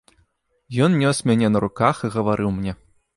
Ён нёс мяне на руках і гаварыў мне.